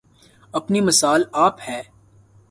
اپنی مثال آپ ہے